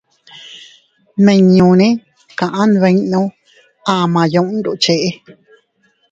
Nmiñune kaʼa nbinnu ama yundus cheʼe.